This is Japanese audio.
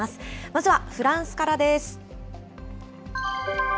まずはフランスからです。